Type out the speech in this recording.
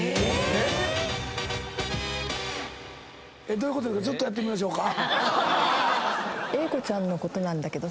どういうこと⁉ちょっとやってみましょうか。